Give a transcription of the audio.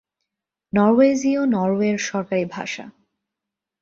নরওয়েজীয় নরওয়ের সরকারি ভাষা।